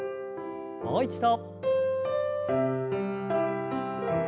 もう一度。